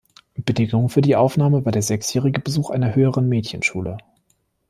Bedingung für die Aufnahme war der sechsjährige Besuch einer höheren Mädchenschule.